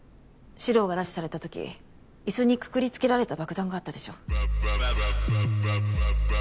獅郎が拉致された時椅子に括り付けられた爆弾があったでしょ。